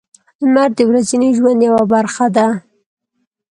• لمر د ورځني ژوند یوه برخه ده.